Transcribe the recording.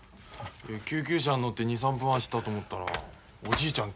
救急車に乗って２３分走ったと思ったらおじいちゃん